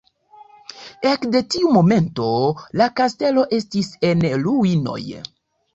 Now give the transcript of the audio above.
Ekde tiu momento, la kastelo estis en ruinoj.